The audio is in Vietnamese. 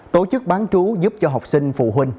tổ chức bán trú giúp cho học sinh phụ huynh